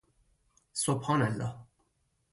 سبحان الله!